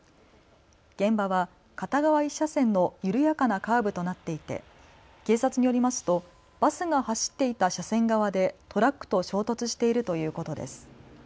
現場は片側１車線の緩やかなカーブとなっていて警察によりますとバスが走っていた車線側でトラックと衝突しているということです。